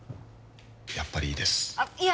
やっぱりいいですいや